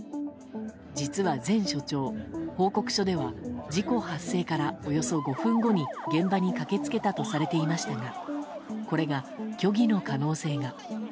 実は前署長、報告書では事故発生からおよそ５分後に現場に駆け付けたとされていましたがこれが虚偽の可能性が。